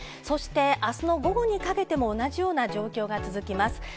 そしてあすの午後にかけても同じような状況が続きます。